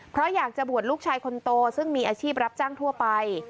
เพราะอยากจะบวชลูกชายคนโตซึ่งมีอาชีพรับจ้างทั่วไป